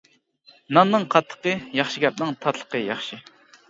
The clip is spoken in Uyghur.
ناننىڭ قاتتىقى ياخشى گەپنىڭ تاتلىقى ياخشى.